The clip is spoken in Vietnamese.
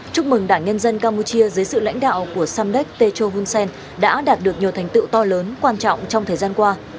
chúc mừng đảng nhân dân campuchia dưới sự lãnh đạo của samdek techo hun sen đã đạt được nhiều thành tựu to lớn quan trọng trong thời gian qua